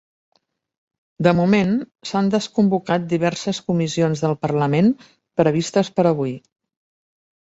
De moment, s’han desconvocat diverses comissions del parlament previstes per avui.